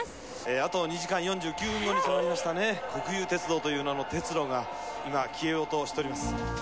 あと２時間４９分後に迫りましたね、国有鉄道という名の鉄路が今、消えようとしております。